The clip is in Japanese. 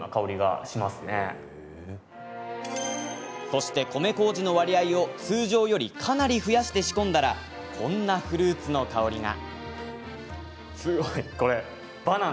そして米こうじの割合を通常よりかなり増やして仕込んだらこんなフルーツの香りが。